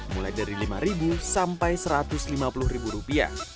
mulai dari rp lima sampai rp satu ratus lima puluh